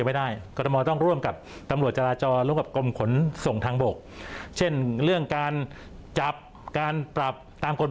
ไม่ชะลอเมื่อถึงทางม้าลาย